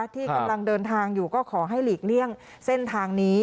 ที่กำลังเดินทางอยู่ก็ขอให้หลีกเลี่ยงเส้นทางนี้